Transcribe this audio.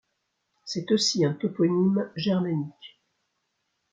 C'est aussi un toponyme germanique.